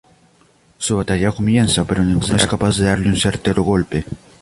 Su batalla comienza, pero ninguno es capaz de darle un certero golpe.